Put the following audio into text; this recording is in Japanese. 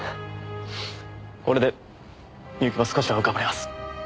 これで深雪も少しは浮かばれます。